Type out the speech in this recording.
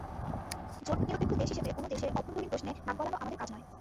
জোটনিরপেক্ষ দেশ হিসেবে কোনো দেশের অভ্যন্তরীণ প্রশ্নে নাক গলানো আমাদের কাজ নয়।